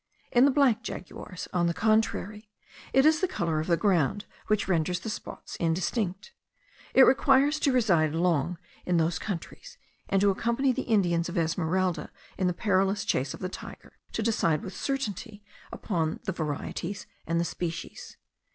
In the black jaguars, on the contrary, it is the colour of the ground which renders the spots indistinct. It requires to reside long in those countries, and to accompany the Indians of Esmeralda in the perilous chase of the tiger, to decide with certainty upon the varieties and the species.